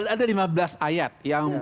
ada lima belas ayat